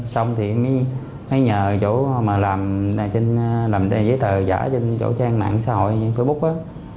xong thì em mới nhờ chỗ làm giấy tờ giả trên chỗ trang mạng xã hội facebook